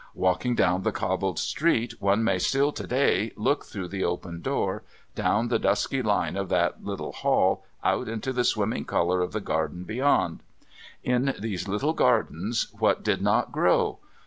Walking down the cobbled street, one may still to day look through the open door, down the dusky line of the little hall, out into the swimming colour of the garden beyond. In these little gardens, what did not grow?